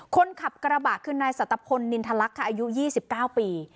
คนขับกระบะคือนายสตะพลนินทรักค่ะอายุยี่สิบเก้าปี